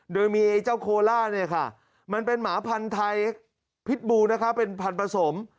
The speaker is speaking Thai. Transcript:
โดยมีเจ้าโคล่าเนี่ยค่ะมันเป็นหมาพันธุ์ไทยพิษบูนะคะเป็นพันธุผสม